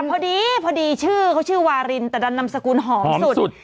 พอดีพอดีชื่อเขาชื่อวารินแต่ดันนำสกุลหอมสุดสุด